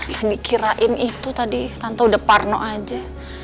tadi kirain itu tadi tante udah parno aja